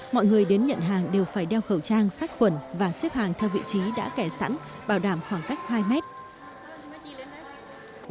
mọi người đến nhận hàng đều phải đeo khẩu trang sát khuẩn và xếp hàng theo vị trí đã kẻ sẵn bảo đảm khoảng cách hai mét